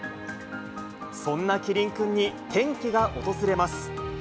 そんなキリンくんに、転機が訪れます。